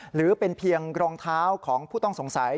หรือเป็นเพียงรองเท้าของผู้ต้องสงสัย